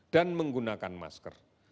dan menggunakan masker